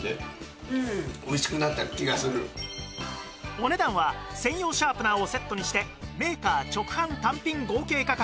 お値段は専用シャープナーをセットにしてメーカー直販単品合計価格